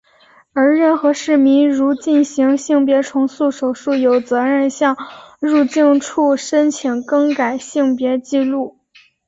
而任何市民如进行性别重塑手术有责任向入境处申请更改性别纪录。